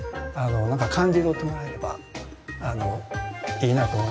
何か感じ取ってもらえればいいなと思いますね。